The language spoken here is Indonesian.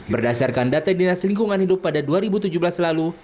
berdasarkan data dinas lingkungan hidup pada dua ribu tujuh belas lalu